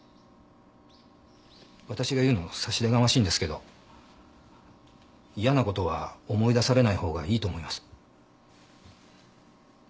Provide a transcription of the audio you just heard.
わたしが言うのも差し出がましいんですけど嫌なことは思い出されないほうがいいと思います。